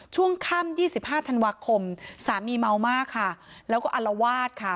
ช่วงค่ำ๒๕ธันวาคมสามีเมามากค่ะแล้วก็อลวาดค่ะ